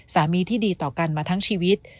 สามีที่ดีต่อกันมาทั้งชีวิต